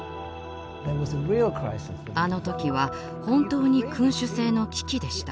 あの時は本当に君主制の危機でした。